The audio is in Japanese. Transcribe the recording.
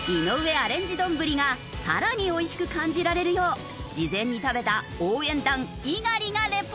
アレンジ丼がさらに美味しく感じられるよう事前に食べた応援団猪狩がリポート。